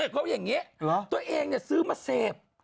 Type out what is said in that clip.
เขาอย่างนี้ตัวเองซื้อมาเสพ